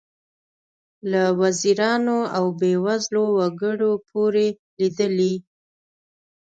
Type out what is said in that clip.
له وزیرانو او بې وزلو وګړو پورې لیدلي.